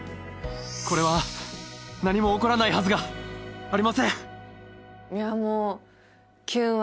これは何も起こらないはずがありません！